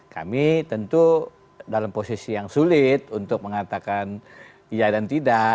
kami tentu dalam posisi yang sulit untuk mengatakan iya dan tidak